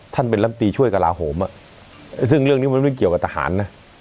ท่านเป็นลำตีช่วยกระลาโหมซึ่งเรื่องนี้มันไม่เกี่ยวกับทหารนะ